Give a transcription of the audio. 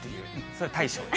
それは大将。